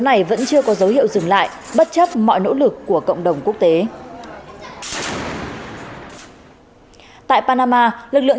này vẫn chưa có dấu hiệu dừng lại bất chấp mọi nỗ lực của cộng đồng quốc tế tại panama lực lượng